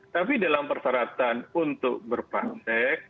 tapi dalam persyaratan untuk berpraktek